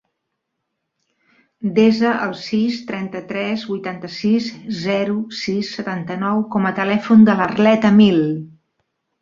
Desa el sis, trenta-tres, vuitanta-sis, zero, sis, setanta-nou com a telèfon de l'Arlet Amil.